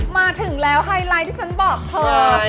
มาถึงแล้วไฮไลท์ที่ฉันบอกเธอ